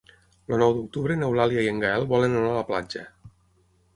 El nou d'octubre n'Eulàlia i en Gaël volen anar a la platja.